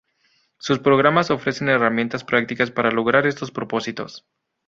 Sus programas ofrecen herramientas prácticas para lograr estos propósitos.